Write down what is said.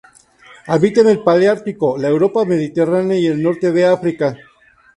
Habita en el paleártico: la Europa mediterránea y el norte de África.